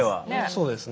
そうですね。